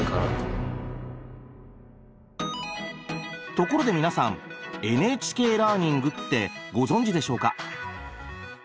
ところで皆さんＮＨＫラーニングってご存じでしょうか？